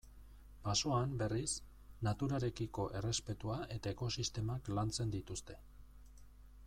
Basoan, berriz, naturarekiko errespetua eta ekosistemak lantzen dituzte.